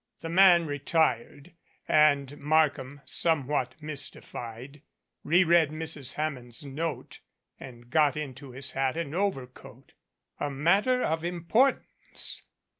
The man retired, and Markham, somewhat mystified, reread Mrs. Hammond's note and got into his hat and overcoat. A matter of importance